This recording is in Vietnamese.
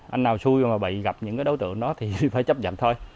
anh nào xui mà bị gặp những cái đấu tượng đó thì phải chấp nhận thôi